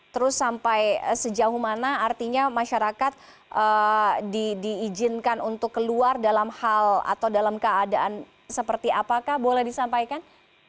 terus sampai sejauh mana artinya masyarakat diizinkan untuk keluar dalam hal atau dalam keadaan seperti apakah boleh disampaikan